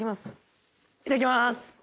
いただきます！